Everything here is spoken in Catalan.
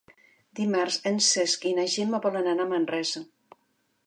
Dimarts en Cesc i na Gemma volen anar a Manresa.